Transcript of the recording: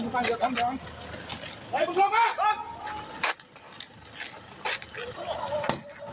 มาแล้ว